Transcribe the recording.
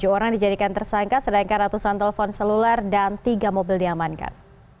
tujuh orang dijadikan tersangka sedangkan ratusan telepon seluler dan tiga mobil diamankan